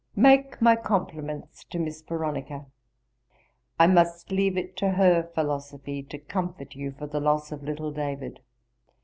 'Make my compliments to Miss Veronica; I must leave it to her philosophy to comfort you for the loss of little David.